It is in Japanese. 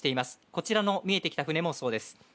こちらの見えてきた船もそうです。